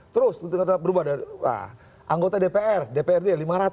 terus berubah anggota dpr dprd lima ratus